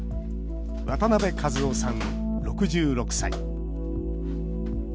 渡辺和夫さん、６６歳。